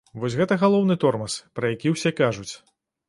Вось гэта галоўны тормаз, пра які ўсе кажуць.